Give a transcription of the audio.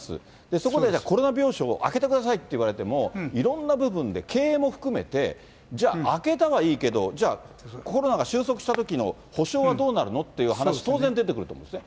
そこでコロナ病床を空けてくださいっていわれても、いろんな部分で経営も含めて、じゃあ、空けたはいいけど、じゃあ、コロナが収束したときの補償はどうなるのっていう話、当然出てくると思うんですよ。